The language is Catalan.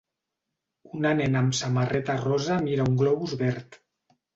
Una nena amb samarreta rosa mira un globus verd.